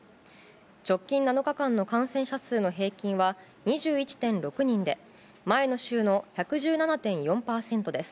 直近７日間の感染者数の平均は２１．６人で前の週の１１７．４％です。